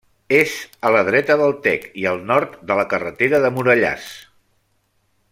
És a la dreta del Tec i al nord de la carretera de Morellàs.